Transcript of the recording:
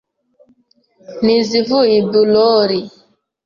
N'izivuye i Burori